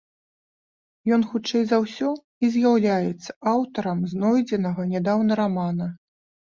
Ён, хутчэй за ўсё, і з'яўляецца аўтарам знойдзенага нядаўна рамана.